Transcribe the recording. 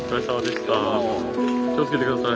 気をつけて下さい。